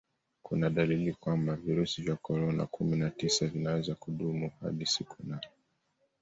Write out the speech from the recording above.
kuna dalili kwamba virusi vya korona kumi na tisa vinaweza kudumu hadi siku nane